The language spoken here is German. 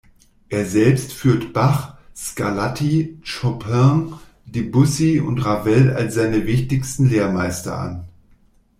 Er selbst führt Bach, Scarlatti, Chopin, Debussy und Ravel als seine wichtigsten Lehrmeister an.